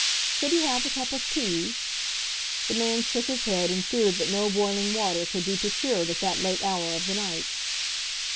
Could he have a cup of tea? The man shook his head, and feared that no boiling water could be procured at that late hour of the night.